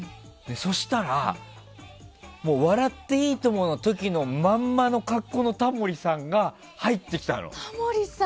そうしたら「笑っていいとも！」の時のままの格好のタモリさんが、入ってきたのよ。